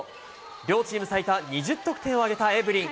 両チーム最多２０得点を挙げたエブリン。